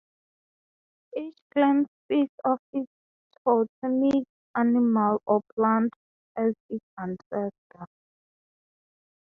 Each clan speaks of its totemic animal or plant as its ancestor.